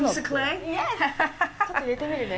ちょっとやってみるね。